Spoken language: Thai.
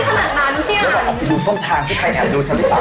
ออกไปดูต้นทางที่ใครแอบดูฉันหรือเปล่า